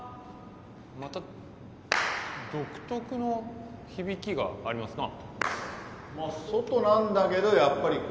また独特の響きがありますな。